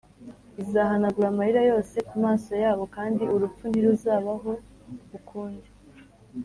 Izahanagura amarira yose ku maso yabo kandi urupfu ntiruzabaho ukundi,